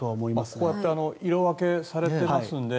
こうやって色分けされていますので。